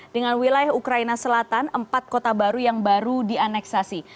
dengan wilayah ukraina selatan empat kota baru yang baru dianeksasi